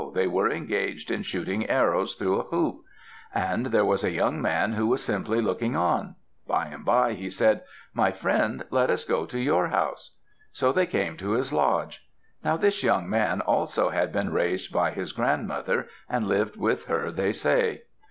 they were engaged in shooting arrows through a hoop. And there was a young man who was simply looking on. By and by he said, "My friend, let us go to your house." So they came to his lodge. Now this young man also had been raised by his grandmother, and lived with her, they say.